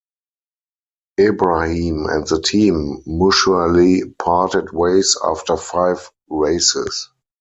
Ebrahim and the team mutually parted ways after five races.